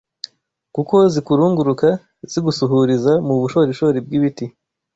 kuko zikurunguruka zigusuhuriza mu bushorishori bw’ibiti